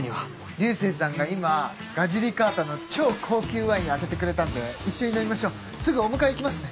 流星さんが今ガジリカータの超高級ワイン開けてくれたんで一緒に飲みましょうすぐお迎え行きますね。